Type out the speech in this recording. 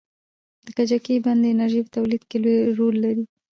د کجکي بند د انرژۍ په تولید کې لوی رول لري.